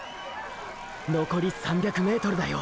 のこり３００ｍだよ。